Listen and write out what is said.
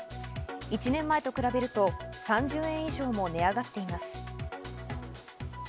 １年前と比べると３０円以上も値上がっています。